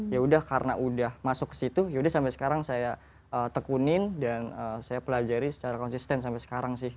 ya udah karena udah masuk ke situ yaudah sampai sekarang saya tekunin dan saya pelajari secara konsisten sampai sekarang sih